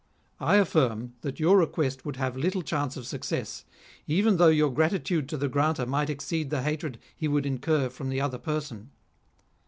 I affirm that your request would have little chance of success, even though your gratitude to the granter might exceed the hatred he would incur from the other person.